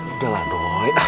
udah lah doi